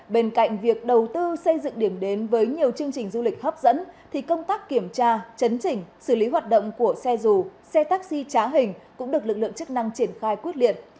bên cạnh việc đầu tư xây dựng điểm đến với nhiều chương trình du lịch hấp dẫn thì công tác kiểm tra chấn chỉnh xử lý hoạt động của xe dù xe taxi trá hình cũng được lực lượng chức năng triển khai quyết liệt